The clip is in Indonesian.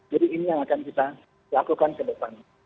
jadi ini yang akan kita lakukan ke depan